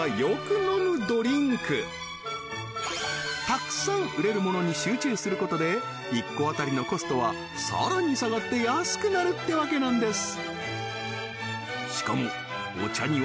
たくさん売れるものに集中することで１個当たりのコストはさらに下がって安くなるってわけなんです